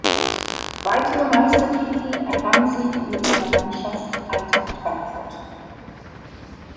Weitere Meistertitel errang sie mit ihrer Mannschaft Eintracht Frankfurt.